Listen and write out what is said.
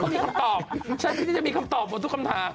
เค้ามีคำตอบเชื่อที่จะมีคำตอบบนทุกคำถาม